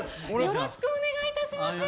よろしくお願いします。